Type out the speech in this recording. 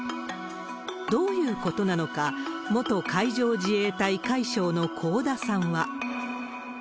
どういうことなのか、元海上自衛隊海将の香田さんは。